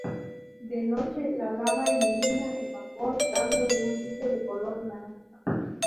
De noche, la lava ilumina el vapor dándole un brillo de color naranja.